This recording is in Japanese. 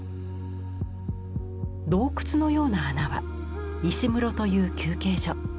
洞窟のような穴は石室という休憩所。